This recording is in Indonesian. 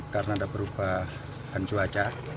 karena ada perubahan cuaca